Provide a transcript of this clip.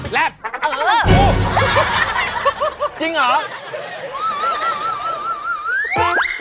แรดโอ๊ยจริงเหรอ